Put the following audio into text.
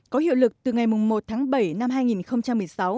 có hiệu lực từ ngày một tháng bảy năm hai nghìn một mươi sáu